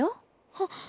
はっ。